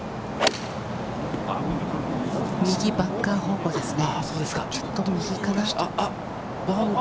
右バンカー方向ですね。